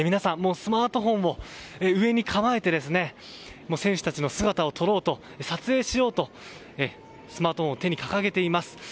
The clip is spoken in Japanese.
スマートフォンを上に構えて選手たちの姿を撮影しようとスマートフォンを手に掲げています。